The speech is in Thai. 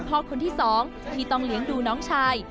พ่อคนที่๒มีต้องเลี้ยงดูน้องชาย